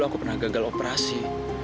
aku takut banget datang ke sana lagi wi